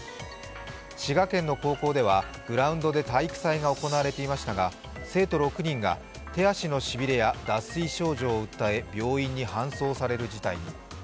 滋賀県の高校ではグラウンドで体育祭が行われていましたが、生徒６人が手足のしびれや脱水症状を訴え病院に搬送される事態に。